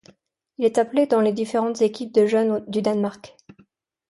Il est appelé dans les différentes équipes de jeunes du Danemark.